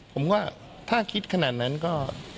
ผมว่าถ้าคิดขนาดนั้นก็